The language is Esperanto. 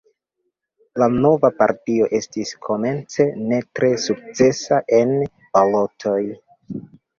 La nova partio estis komence ne tre sukcesa en balotoj.